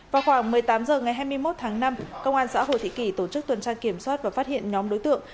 vào khoảng một mươi tám h ngày hai mươi một tháng năm công an xã hồ thị kỷ tổ chức tuần tra kiểm soát và phát hiện nhóm đối tượng